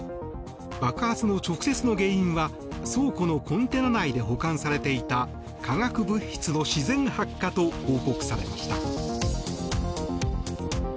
爆発の直接の原因は倉庫のコンテナ内で保管されていた化学物質の自然発火と報告されました。